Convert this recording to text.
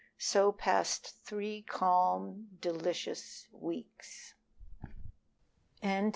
So passed three calm, delicious weeks away.